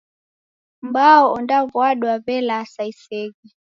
Mbao ondaw'adwa w'elasa iseghe.